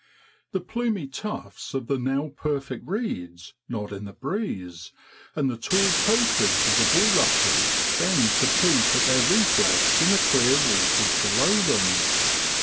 The plumy tufts of the now perfect reeds nod in the breeze, and the tall pokers of the bulrushes bend to peep at their reflex in the clear waters below them.